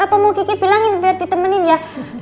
apa mau kiki bilangin biar ditemenin ya